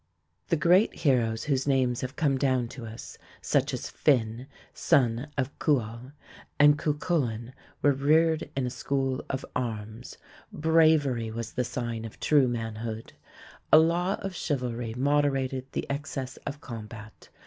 The great heroes whose names have come down to us, such as Finn, son of Cumhal, and Cuchulainn, were reared in a school of arms. Bravery was the sign of true manhood. A law of chivalry moderated the excess of combat.